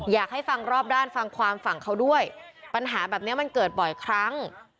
อยากให้ฟังรอบด้านฟังความฝั่งเขาด้วยปัญหาแบบนี้มันเกิดบ่อยครั้ง